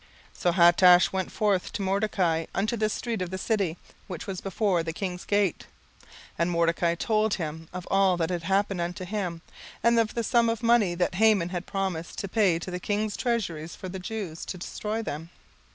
17:004:006 So Hatach went forth to Mordecai unto the street of the city, which was before the king's gate. 17:004:007 And Mordecai told him of all that had happened unto him, and of the sum of the money that Haman had promised to pay to the king's treasuries for the Jews, to destroy them.